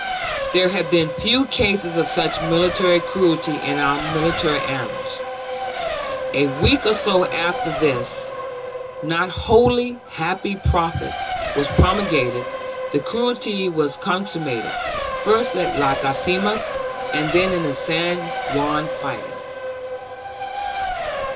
There have been few cases of such military cruelty in our military annals." A week or so after this not wholly happy prophecy was promulgated, the "cruelty" was consummated, first at Las Guasimas and then in the San Juan fighting.